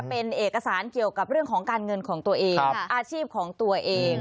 เป็นเอกสารเกี่ยวกับเรื่องของการเงินของตัวเองอาชีพของตัวเอง